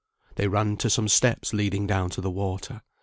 They ran to some steps leading down to the water.